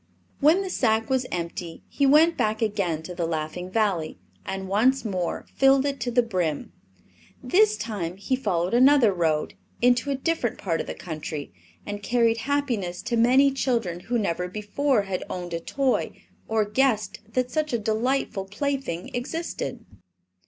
When the sack was empty he went back again to the Laughing Valley and once more filled it to the brim. This time he followed another road, into a different part of the country, and carried happiness to many children who never before had owned a toy or guessed that such a delightful plaything existed.